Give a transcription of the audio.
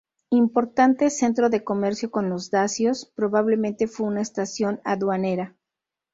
Importante centro de comercio con los dacios, probablemente fue una estación aduanera.